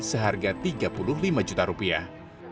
seharga tiga puluh lima juta rupiah